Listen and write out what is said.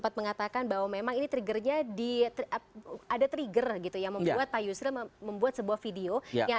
punya hak jawab masing masing